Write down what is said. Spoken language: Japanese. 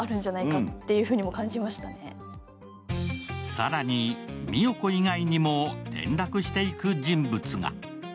更に、美世子以外にも転落していく人物が。